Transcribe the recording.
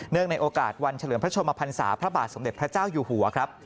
ในโอกาสวันเฉลิมพระชมพันศาพระบาทสมเด็จพระเจ้าอยู่หัวครับ